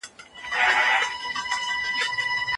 په لاس خط لیکل د لوبو په څیر په زړه پوري کیدای سي.